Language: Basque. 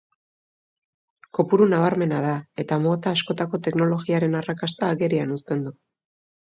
Kopuru nabarmena da, eta mota horretako teknologiaren arrakasta agerian uzten du.